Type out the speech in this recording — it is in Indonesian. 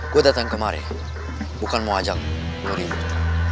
gua dateng kemari bukan mau ajak lu ribut